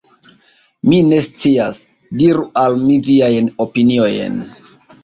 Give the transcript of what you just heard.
Mi ne scias. Diru al mi viajn opiniojn.